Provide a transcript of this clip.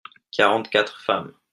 quarante quatre femmes.